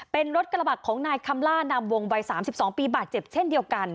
เป็นรถกระบะของนายคำล่านามวงวัย๓๒ปีบาดเจ็บเช่นเดียวกัน